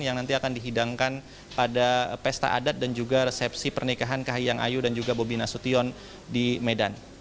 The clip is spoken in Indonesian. yang nanti akan dihidangkan pada pesta adat dan juga resepsi pernikahan kahiyang ayu dan juga bobi nasution di medan